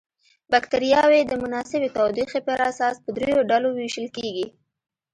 بکټریاوې د مناسبې تودوخې پر اساس په دریو ډلو ویشل کیږي.